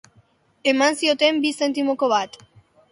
Eman zioten bi zentimoko bat.